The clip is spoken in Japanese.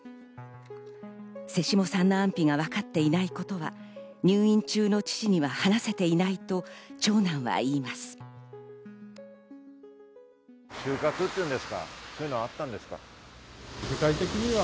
瀬下さんの安否がわかっていないことは入院中の父には話せていないと長男はいいます。